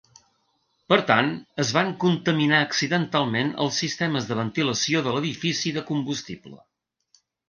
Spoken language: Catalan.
Per tant es van contaminar accidentalment els sistemes de ventilació de l'edifici de combustible.